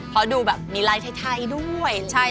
เพราะดูแบบมีลายไทยด้วย